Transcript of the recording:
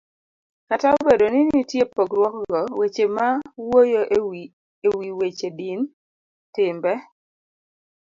Kata obedo ni nitie pogruokgo, weche ma wuoyo e wi weche din, timbe